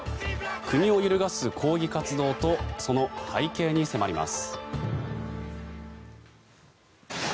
国を揺るがす抗議活動とその背景に迫ります。